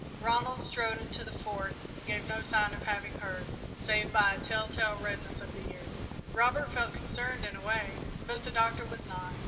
Ronald strode into the Fort and gave no sign of having heard, save by a tell tale redness of the ears. Robert felt concerned in a way, but the Doctor was not.